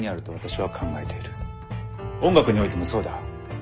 音楽においてもそうだ。